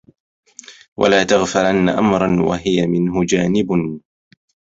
ولا تغفلن أمرا وهى منه جانب